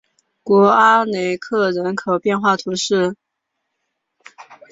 古阿雷克人口变化图示